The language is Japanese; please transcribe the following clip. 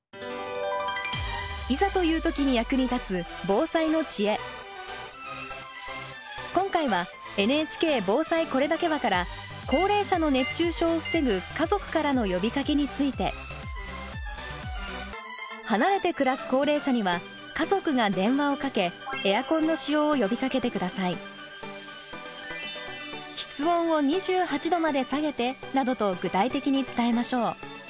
いざという時に役に立つ今回は「ＮＨＫ防災これだけは」から高齢者の熱中症を防ぐ家族からの呼びかけについて。離れて暮らす高齢者には家族が電話をかけエアコンの使用を呼びかけて下さい。などと具体的に伝えましょう。